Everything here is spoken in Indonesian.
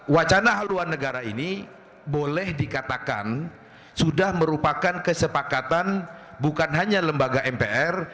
wacana haluan negara ini boleh dikatakan sudah merupakan kesepakatan bukan hanya lembaga mpr